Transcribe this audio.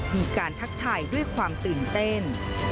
มีการทักถ่ายด้วยความตื่นเต้น